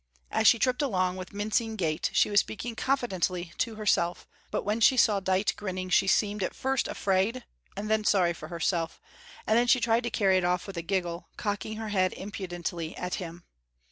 As she tripped along with mincing gait, she was speaking confidentially to herself, but when she saw Dite grinning, she seemed, first, afraid, and then sorry for herself, and then she tried to carry it off with a giggle, cocking her head impudently at him.